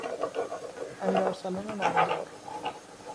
امیر ارسلان نامدار